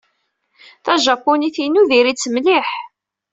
Tajapunit-inu diri-tt mliḥ.